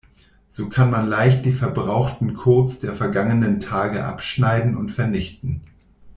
So kann man leicht die „verbrauchten“ Codes der vergangenen Tage abschneiden und vernichten.